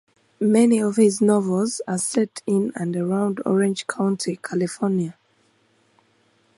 Many of his novels are set in and around Orange County, California.